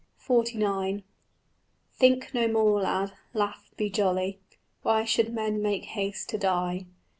XLIX Think no more, lad; laugh, be jolly: Why should men make haste to die?